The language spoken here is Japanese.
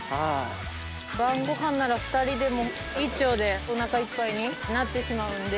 晩ご飯なら２人でも１丁でおなかいっぱいになってしまうんで。